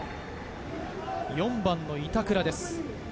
４番・板倉です。